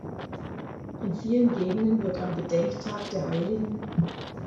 In vielen Gegenden wird am Gedenktag der hl.